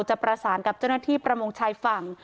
จะประสานกับเจ้าหน้าที่ประมงชายฝั่ง